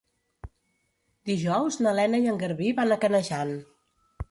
Dijous na Lena i en Garbí van a Canejan.